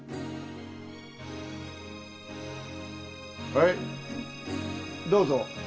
はいどうぞ。